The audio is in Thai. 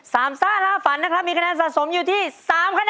สำซ่าทะฝรรณมีคะแนนสะสมอยู่ที่สามคะแนน